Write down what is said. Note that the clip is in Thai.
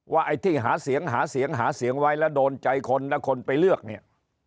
ไอ้ที่หาเสียงหาเสียงหาเสียงไว้แล้วโดนใจคนและคนไปเลือกเนี่ย